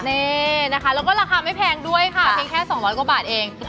นี่นะคะแล้วก็ราคาไม่แพงด้วยค่ะเพียงแค่๒๐๐กว่าบาทเอง